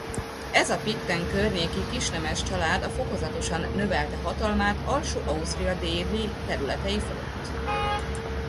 Ez a Pitten környéki kisnemes család a fokozatosan növelte hatalmát Alsó-Ausztria déli területei fölött.